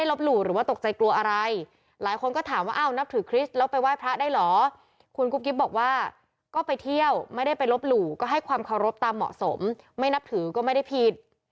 ๔ถูกคุ้มต่อเขาค่ะก็ไปเที่ยวไม่ได้ไปลบหหรูก็ให้ความเคารพตามเหมาะสมไม่นับถือก็ไม่ได้ผิด